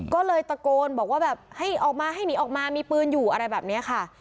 ก็เลยตะโกนบอกว่าแบบให้ออกมาให้หนีออกมามีปืนอยู่อะไรแบบนี้ค่ะ